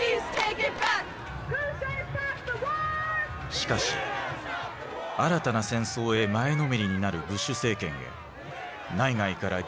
しかし新たな戦争へ前のめりになるブッシュ政権へ内外から疑問の声が沸き起こった。